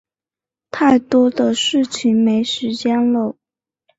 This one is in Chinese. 太多的事情没时间搂